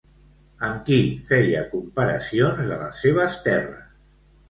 Amb qui feia comparacions de les seves terres?